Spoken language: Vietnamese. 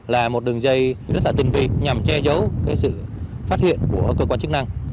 là một đường dây rất là tình vị nhằm che giấu sự phát hiện của cơ quan chức năng